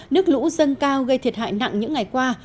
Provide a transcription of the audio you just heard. nước lũ dâng cao gây thiệt hại nặng những ngày qua